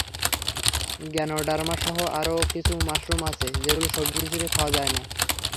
গ্যানোডার্মাসহ আরও কিছু মাশরুম আছে, যেগুলো সবজি হিসেবে খাওয়া যায় না।